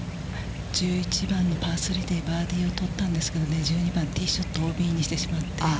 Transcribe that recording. １１番のパー３でバーディーを取ったんですけど、１２番、ティーショットＯＢにしてしまって。